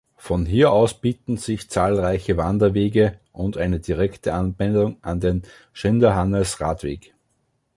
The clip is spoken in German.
Von hier aus bieten sich zahlreiche Wanderwege und eine direkte Anbindung an den Schinderhannes-Radweg.